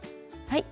はい。